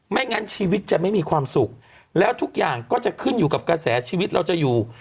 งั้นชีวิตจะไม่มีความสุขแล้วทุกอย่างก็จะขึ้นอยู่กับกระแสชีวิตเราจะอยู่